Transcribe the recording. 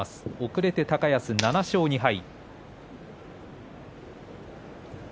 遅れて高安、７勝２敗。